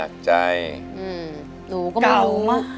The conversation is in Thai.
เก่ามาก